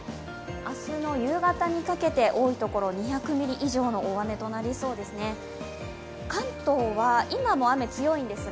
明日の夕方にかけて多い所、２００ミリ以上の大雨になりそうです。